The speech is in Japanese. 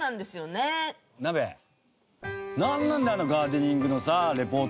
ナベなんなんだよあのガーデニングのさリポート。